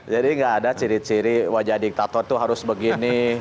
jadi tidak ada ciri ciri wajah diktator itu harus begini